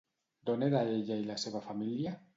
D'on era ella i la seva família?